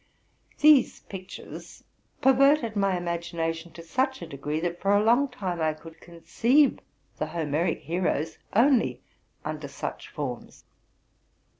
'These pictures perverted my imagination to such a degree, that, for a long time, I could conceive the Homeric heroes only under such forms.